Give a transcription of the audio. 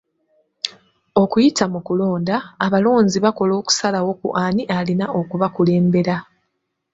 Okuyita mu kulonda, abalonzi bakola okusalawo ku ani alina okubakulembera.